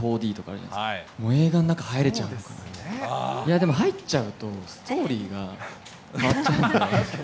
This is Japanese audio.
でも、入っちゃうと、ストーリーが変わっちゃうんで。